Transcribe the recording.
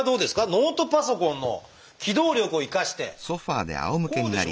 ノートパソコンの機動力を生かしてこうでしょ？